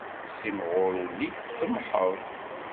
Simɣur ul-ik tsemmḥeḍ.